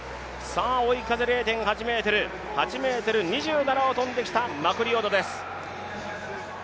追い風０．８メートル、８ｍ２７を跳んできたマクリオドです。